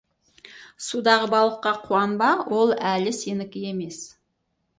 Судағы балыққа қуанба, ол әлі сенікі емес.